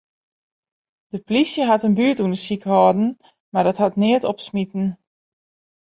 De polysje hat in buertûndersyk hâlden, mar dat hat neat opsmiten.